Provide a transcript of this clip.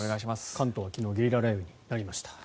関東は昨日ゲリラ雷雨になりました。